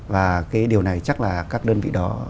và cái điều này chắc là các đơn vị đó